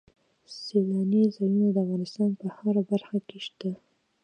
سیلاني ځایونه د افغانستان په هره برخه کې شته.